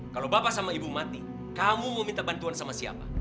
kalau bapak sama ibu mati kamu mau minta bantuan sama siapa